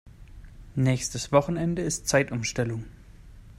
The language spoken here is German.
Nächstes Wochenende ist Zeitumstellung.